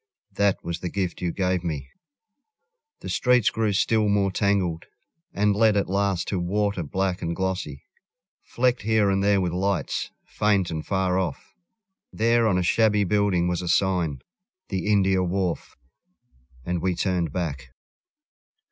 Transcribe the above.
That was the gift you gave me. ... The streets grew still more tangled, And led at last to water black and glossy, Flecked here and there with lights, faint and far off. There on a shabby building was a sign "The India Wharf "... and we turned back.